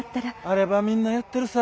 あればみんなやってるさ。